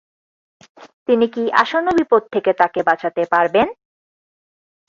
তিনি কি আসন্ন বিপদ থেকে তাকে বাঁচাতে পারবেন?